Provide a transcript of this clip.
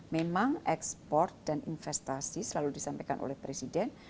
memang ekspor dan investasi selalu disampaikan oleh presiden